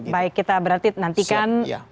baik kita berarti nantikan